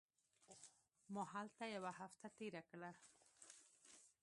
ما هلته یوه هفته تېره کړه.